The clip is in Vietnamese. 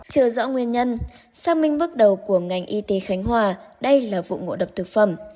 chưa rõ nguyên nhân xác minh bước đầu của ngành y tế khánh hòa đây là vụ ngộ độc thực phẩm